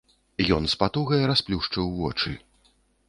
Ён з патугай расплюшчыў вочы.